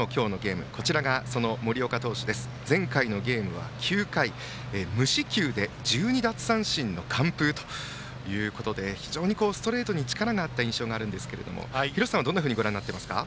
能代松陽の森岡投手は前回のゲームは９回無四球１２奪三振の完封という非常にストレートに力があった印象があるんですが廣瀬さんはどんなふうにご覧になっていますか？